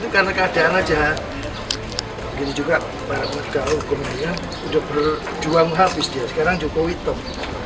udah berjuang habis dia sekarang jokowi top